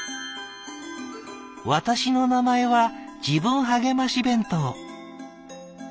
「私の名前は『自分はげまし弁当』。